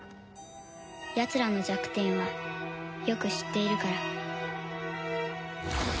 やつらの弱点はよく知っているから。